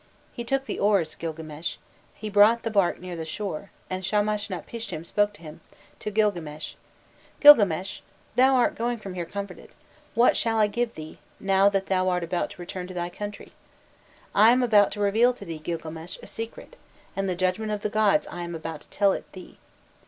He took the oars, Gilgames, he brought the bark near the shore, and Shamashnapishtim spoke to him, to Gilgames: 'Gilgames, thou art going from here comforted; what shall I give thee, now that thou art about to return to thy country? I am about to reveal to thee, Gilgames, a secret, and the judgment of the gods I am about to tell it thee.